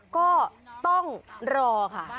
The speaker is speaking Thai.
ก็ต้องรอค่ะ